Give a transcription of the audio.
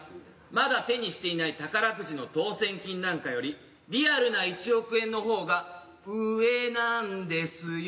まだ手にしていない宝くじの当選金なんかよりリアルな１億円の方が上なんですよ。